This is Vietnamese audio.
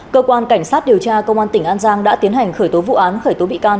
cơ quan cảnh sát điều tra công an tỉnh an giang đã tiến hành khởi tố vụ án khởi tố bị can